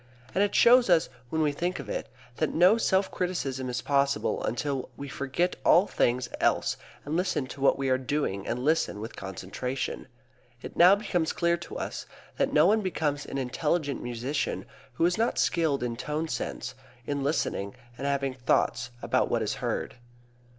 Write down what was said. And it shows us, when we think of it, that no self criticism is possible until we forget all things else and listen to what we are doing and listen with concentration. It now becomes clear to us that no one becomes an intelligent musician who is not skilled in tone sense, in listening, and having thoughts about what is heard.